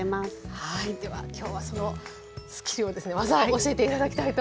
はいでは今日はそのスキルをですね技を教えて頂きたいと思います。